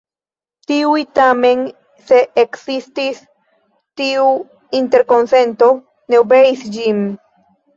Tiuj tamen se ekzistis tiu interkonsento ne obeis ĝin.